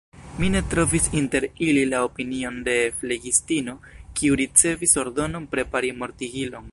Mi ne trovis inter ili la opinion de flegistino, kiu ricevis ordonon prepari mortigilon.